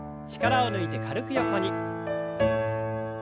力を抜いて軽く横に。